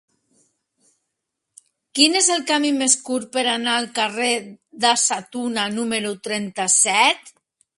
Quin és el camí més curt per anar al carrer de Sa Tuna número trenta-set?